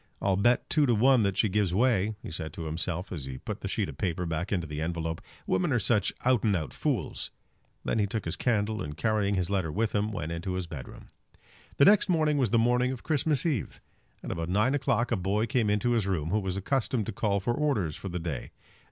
"I'll bet two to one that she gives way," he said to himself, as he put the sheet of paper back into the envelope. "Women are such out and out fools." Then he took his candle, and carrying his letter with him, went into his bedroom. The next morning was the morning of Christmas Eve. At about nine o'clock a boy came into his room who was accustomed to call for orders for the day.